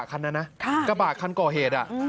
กระบะคันก่อเหตุ